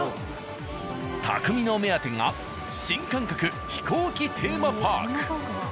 たくみのお目当てが新感覚飛行機テーマパーク。